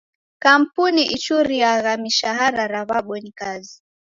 Kampuni ichuriagha mishara ra w'abonyi kazi.